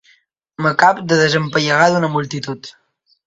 M'acabo de desempallegar d'una multitud.